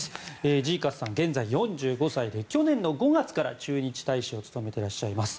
ジーカスさん、現在４５歳で去年５月から駐日大使を務めていらっしゃいます。